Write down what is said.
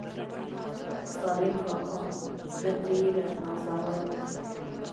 کاکا سالم زه ډېر نازولم.